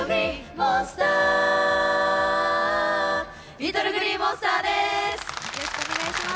ＬｉｔｔｌｅＧｌｅｅＭｏｎｓｔｅｒです。